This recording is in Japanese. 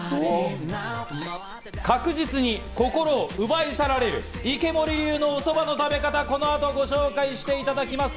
確実に心を奪い去られる池森流のおそばの食べ方、この後ご紹介していただきます。